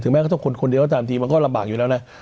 แม้ก็ต้องคนคนเดียวก็ตามทีมันก็ลำบากอยู่แล้วนะ